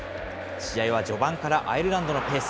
試合は序盤からアイルランドのペース。